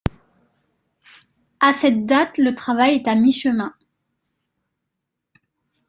À cette date, le travail est à mi-chemin.